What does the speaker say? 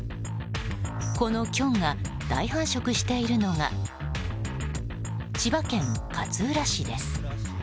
このキョンが大繁殖しているのが千葉県勝浦市です。